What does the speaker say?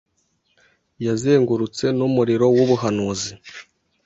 yazengurutse Numuriro wubuhanuzi